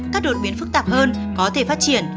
các đột biến phức tạp hơn có thể phát triển